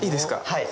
はい。